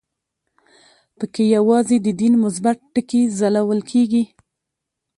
په کې یوازې د دین مثبت ټکي ځلول کېږي.